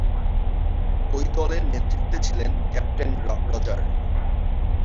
ওই দলের নেতৃত্বে ছিলেন ক্যাপ্টেন রজার।